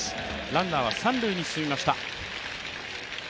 ランナーは三塁に進みました。